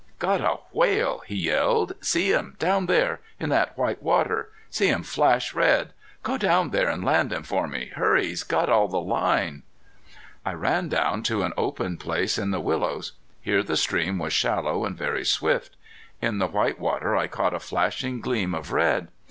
"Got a whale!" he yelled. "See him down there in that white water. See him flash red!... Go down there and land him for me. Hurry! He's got all the line!" I ran below to an open place in the willows. Here the stream was shallow and very swift. In the white water I caught a flashing gleam of red.